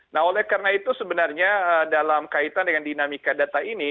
nah oleh karena itu sebenarnya dalam kaitan dengan dinamika data ini